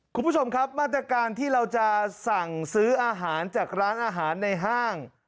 คุณผู้ชมครับมาตรการที่เราจะสั่งซื้ออาหารจากร้านอาหารในห้าง